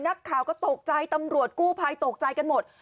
นักข่าวก็ตกใจตำรวจกู้ภัยตกใจกันหมด